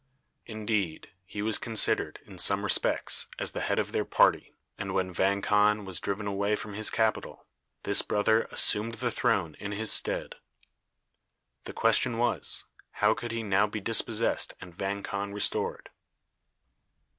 Indeed, he was considered, in some respects, as the head of their party, and when Vang Khan was driven away from his capital, this brother assumed the throne in his stead. The question was, how could he now be dispossessed and Vang Khan restored.